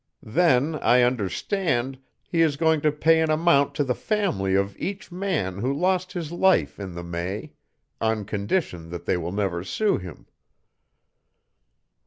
Then, I understand, he is going to pay an amount to the family of each man who lost his life in the May, on condition that they will never sue him."